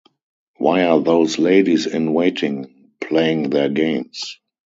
Why are those ladies-in-waiting playing their games?